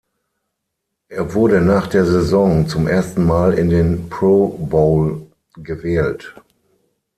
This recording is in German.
Er wurde nach der Saison zum ersten Mal in den Pro Bowl gewählt.